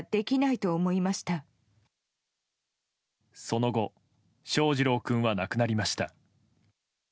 その後翔士郎君は亡くなりました。